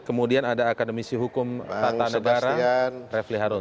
kemudian ada akademisi hukum tata negara refli harun